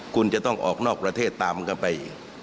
คุณจะต้องออกนอกประเทศตามกันไป